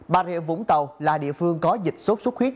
bà rịa vũng tàu là địa phương có dịch sốt sốt khuyết